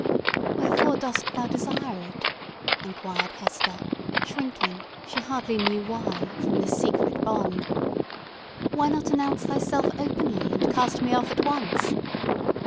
"Wherefore dost thou desire it?" inquired Hester, shrinking, she hardly knew why, from this secret bond. "Why not announce thyself openly, and cast me off at once?"